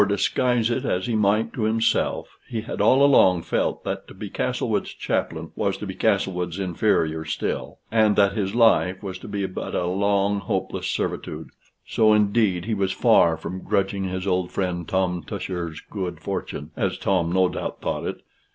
For, disguise it as he might to himself, he had all along felt that to be Castlewood's chaplain was to be Castlewood's inferior still, and that his life was but to be a long, hopeless servitude. So, indeed, he was far from grudging his old friend Tom Tusher's good fortune (as Tom, no doubt, thought it).